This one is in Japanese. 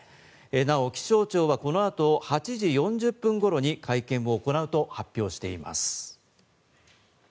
なお気象庁はこの後８時４０分頃に会見を行うと発表しています。